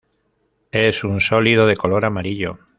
Es un sólido de color amarillo.